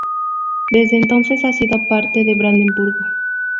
Desde entonces ha sido parte de Brandemburgo.